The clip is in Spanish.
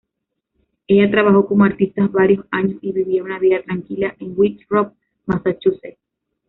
Ella trabajó como artista varios años y vivía una vida tranquila en Winthrop, Massachusetts.